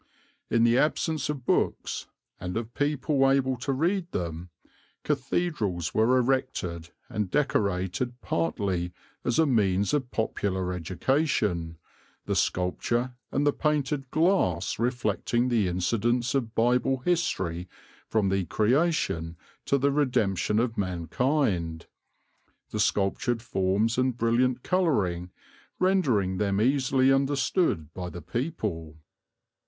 In the absence of books, and of people able to read them, cathedrals were erected and decorated partly as a means of popular education, the sculpture and the painted glass reflecting the incidents of Bible history from the Creation to the redemption of mankind, the sculptured forms and brilliant colouring rendering them easily understood by the people.